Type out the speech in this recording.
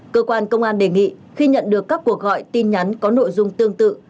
cơ quan công an đề nghị khi nhận được các cuộc gọi tin nhắn có nội dung tương tự